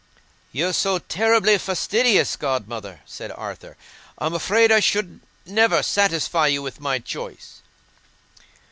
"You're so terribly fastidious, Godmother," said Arthur, "I'm afraid I should never satisfy you with my choice."